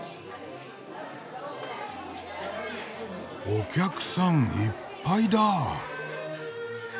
お客さんいっぱいだ。